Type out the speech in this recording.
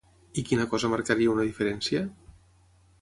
I quina cosa marcaria una diferència?